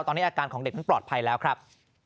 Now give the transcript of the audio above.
ตอนนี้อาการของเด็กนั้นปลอดภัยแล้วครับ